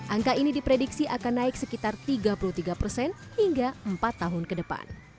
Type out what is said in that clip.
angka ini diprediksi akan naik sekitar tiga puluh tiga persen hingga empat tahun ke depan